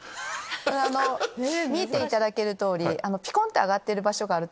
見ていただける通りピコン！って上がってる場所があると思う。